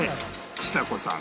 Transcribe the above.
ちさ子さん